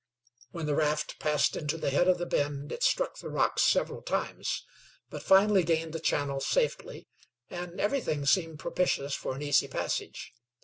When the raft passed into the head of the bend it struck the rocks several times, but finally gained the channel safely, and everything seemed propitious for an easy passage.